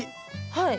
はい。